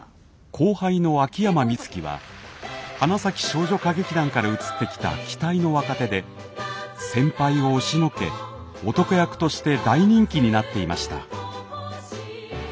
後輩の秋山美月は花咲少女歌劇団から移ってきた期待の若手で先輩を押しのけ男役として大人気になっていました。